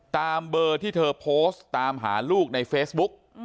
ตามเบอร์ที่เธอโพสต์ตามหาลูกในเฟซบุ๊ก